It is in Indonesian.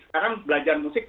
sekarang belajar musik